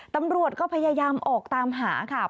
ตำรวจก็พยายามออกตามหาค่ะ